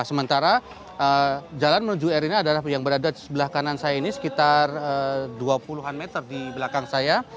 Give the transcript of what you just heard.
sementara jalan menuju air ini adalah yang berada di sebelah kanan saya ini sekitar dua puluh an meter di belakang saya